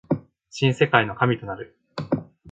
新世界の神となる